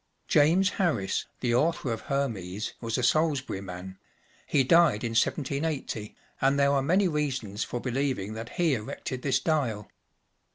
James Harris, the author of Hermes," was a Salisbury man ; he died in 1780, and there are many reasons for believing that he erected this dial.